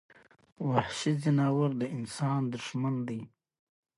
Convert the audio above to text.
د The Beast مطلب خو وحشي ځناور دے